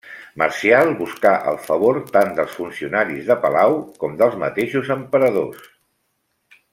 Marcial buscà el favor tant dels funcionaris de palau com dels mateixos emperadors.